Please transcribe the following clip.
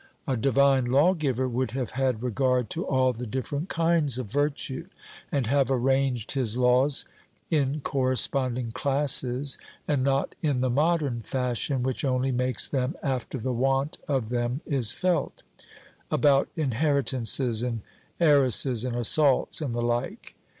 A divine lawgiver would have had regard to all the different kinds of virtue, and have arranged his laws in corresponding classes, and not in the modern fashion, which only makes them after the want of them is felt, about inheritances and heiresses and assaults, and the like.